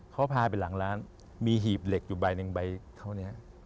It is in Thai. เขาพาไปหลังร้านมีหีบเหล็กอยู่ใบหนึ่งใบเท่านี้